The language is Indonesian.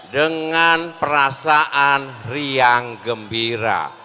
dengan perasaan riang gembira